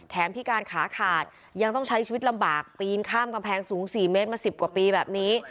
พิการขาขาดยังต้องใช้ชีวิตลำบากปีนข้ามกำแพงสูง๔เมตรมา๑๐กว่าปีแบบนี้